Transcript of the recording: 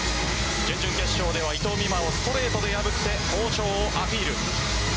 準々決勝では伊藤美誠をストレートで破って好調をアピール。